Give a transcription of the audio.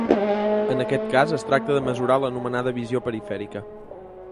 En aquest cas es tracta de mesurar l’anomenada ‘visió perifèrica’.